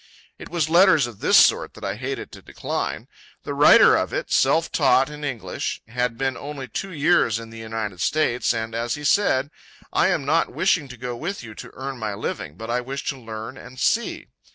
It was letters of this sort that I hated to decline. The writer of it, self taught in English, had been only two years in the United States, and, as he said, "I am not wishing to go with you to earn my living, but I wish to learn and see."